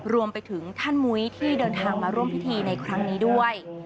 รวมไปถึงท่านมุ้ยที่เดินทางมาร่วมพิธีในครั้งนี้ด้วย